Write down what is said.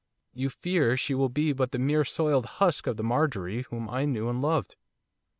you fear she will be but the mere soiled husk of the Marjorie whom I knew and loved?